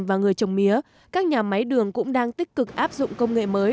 và người trồng mía các nhà máy đường cũng đang tích cực áp dụng công nghệ mới